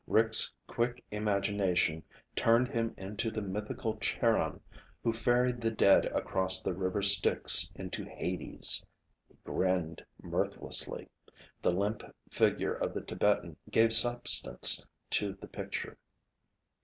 Rick's quick imagination turned him into the mythical Charon, who ferried the dead across the River Styx into Hades. He grinned mirthlessly. The limp figure of the Tibetan gave substance to the picture.